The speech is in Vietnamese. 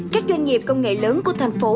các doanh nghiệp công nghệ lớn của thành phố